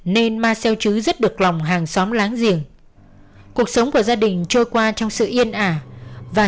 nên ma xeo chứ rất được lòng hàng xóm láng giềng cuộc sống của gia đình trôi qua trong sự yên ả và